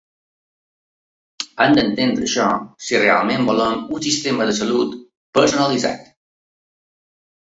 Hem d’entendre això si realment volem un sistema de salut personalitzat.